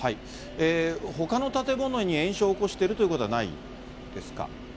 ほかの建物に延焼を起こしてるってことはないですか？